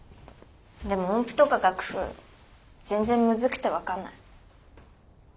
でも音符とか楽譜全然むずくて分かんない。